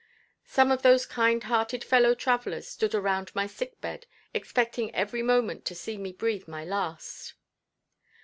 Some of those kind hearted fellow travelers stood around my sick bed expecting every moment to see me breathe my last.